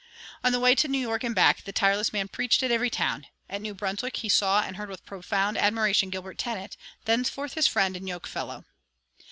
On the way to New York and back, the tireless man preached at every town. At New Brunswick he saw and heard with profound admiration Gilbert Tennent, thenceforth his friend and yokefellow.